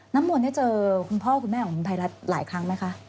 น้ำมนต์ได้เจอคุณพ่อคุณแม่ของคุณภัยรัฐหลายครั้งไหมคะ